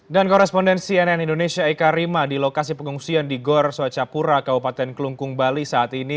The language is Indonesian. dan korespondensi nn indonesia eka rima di lokasi pengungsian di gor soecapura kabupaten kelungkung bali saat ini